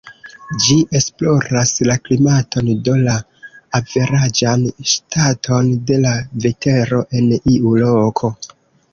Ĝi esploras la klimaton, do la averaĝan staton de la vetero en iu loko.